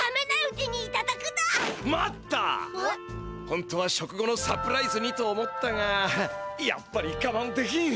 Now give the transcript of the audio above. ほんとは食後のサプライズにと思ったがやっぱりがまんできん！